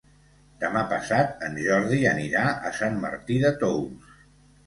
Demà passat en Jordi anirà a Sant Martí de Tous.